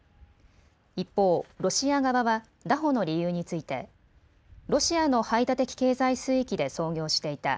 一方、ロシア側は拿捕の理由についてロシアの排他的経済水域で操業していた。